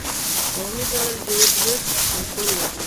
په عمومي ډول ډیوډرنټ الکول لري.